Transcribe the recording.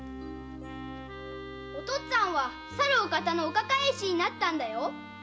お父っつぁんはさるお方のお抱え医師になったんだよ。